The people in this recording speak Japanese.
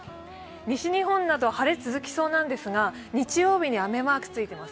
西日本など晴れ、続きそうなんですが日曜日に雨マークがついています。